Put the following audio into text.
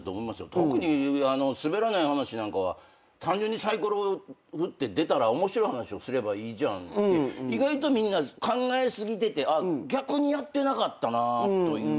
特に『すべらない話』なんかは単純にサイコロ振って出たら面白い話をすればいいって意外とみんな考え過ぎてて逆にやってなかったなというとこですよね。